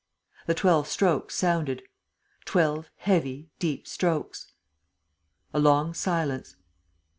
The twelve strokes sounded, twelve heavy, deep strokes. A long silence.